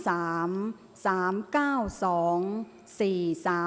ออกรางวัลที่๖